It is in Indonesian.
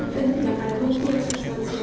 dan tidak ada bukti resurssensi